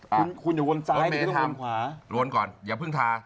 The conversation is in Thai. ไม่วนซ้ายหรือเครื่องขวา